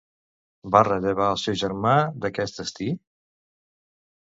Va rellevar al seu germà d'aquest destí?